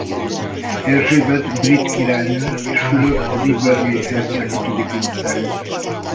Erzsébet brit királynő és Fülöp edinburgh-i herceg ötödik unokája.